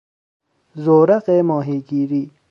زورق ماهیگیری